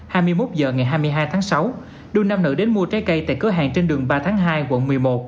hai mươi một h ngày hai mươi hai tháng sáu đôi nam nữ đến mua trái cây tại cửa hàng trên đường ba tháng hai quận một mươi một